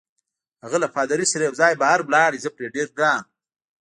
هغه له پادري سره یوځای بهر ولاړ، زه پرې ډېر ګران وم.